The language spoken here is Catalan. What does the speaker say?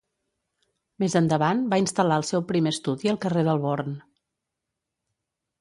Més endavant va instal·lar el seu primer estudi al carrer del Born.